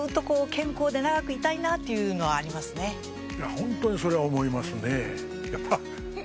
本当にそれは思いますね。